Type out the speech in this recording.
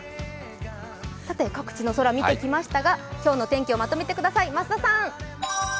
各地の空見てきましたが今日の天気をまとめてください、増田さん。